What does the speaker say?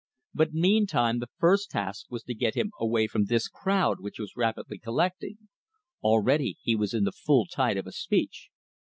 But meantime, the first task was to get him away from this crowd which was rapidly collecting. Already he was in the full tide of a speech.